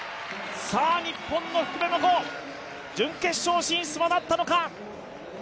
日本の福部真子準決勝進出は、なったのか！